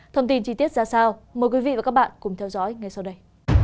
thông tin chi tiết ra sao mời quý vị và các bạn cùng theo dõi ngay sau đây